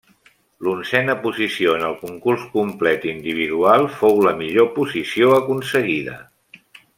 L'onzena posició en el concurs complet individual fou la millor posició aconseguida.